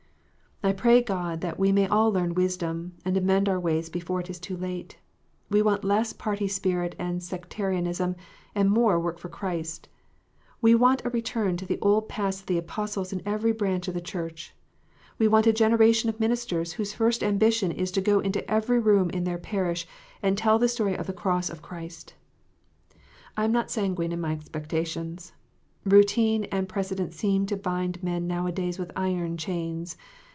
I pray God that we may all learn wisdom, and amend our ways before it be too late. We want less party spirit and sec tarianism, and more work for Christ. We want a return to the old paths of the Apostles in every branch of the Church ; we want a generation of ministers whose first ambition is to go into every room in their parish, and tell the story of the cross of Christ. I am not sanguine in my expectations. Routine and pre cedent seem to bind men now a days with iron chains.